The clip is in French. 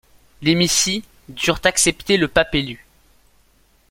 Les missi durent accepter le pape élu.